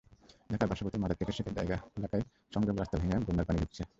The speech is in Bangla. ঢাকার বাসাবোতে মাদারটেকের শেখের জায়গা এলাকায় সংযোগ রাস্তা ভেঙে বন্যার পানি ঢুকছে।